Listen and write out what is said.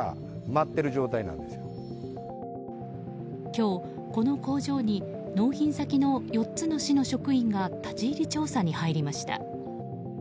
今日、この工場に納品先の４つの市の職員が立ち入り調査に入りました。